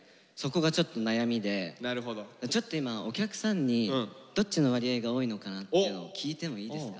ちょっと今お客さんにどっちの割合が多いのかなっていうのを聞いてもいいですか？